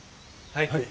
はい。